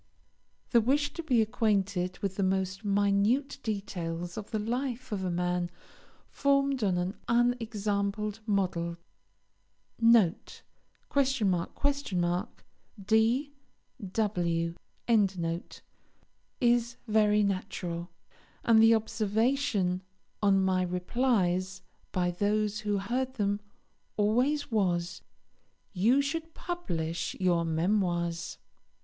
The wish to be acquainted with the most minute details of the life of a man formed on an unexampled model [?? D.W.] is very natural; and the observation on my replies by those who heard them always was, "You should publish your Memoirs!"